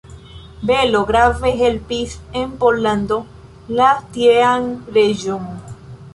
Belo grave helpis en Pollando la tiean reĝon.